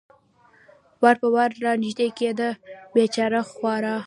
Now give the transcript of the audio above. وار په وار را نږدې کېده، بېچاره خورا.